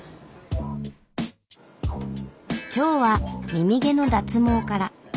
今日は耳毛の脱毛から。